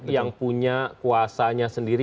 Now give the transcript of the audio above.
yang punya kuasanya sendiri